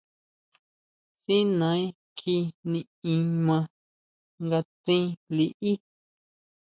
Si naʼen kjí niʼín ma nga tsín liʼí.